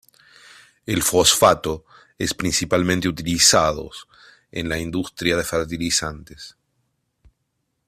El fosfato es principalmente utilizados en la industria de fertilizantes.